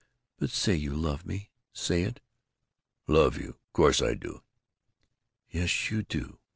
But say you love me, say it!" "I love you.... Course I do." "Yes, you do!"